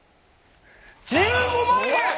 １５万円！